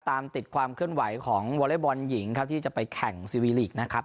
ตามติดความเคลื่อนไหวของวอเล็กบอลหญิงครับที่จะไปแข่งซีวีลีกนะครับ